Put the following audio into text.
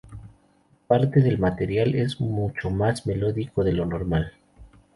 Parte del material es mucho más melódico de lo normal.